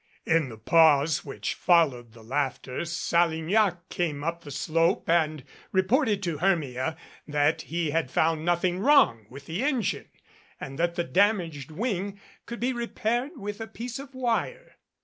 In the pause which followed the laughter Salignac came up the slope and reported to Hermia that he had found nothing wrong with the engine and that the dam aged wing could be repaired with a piece of wire.